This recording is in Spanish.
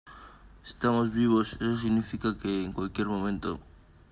estamos vivos. eso significa que, en cualquier momento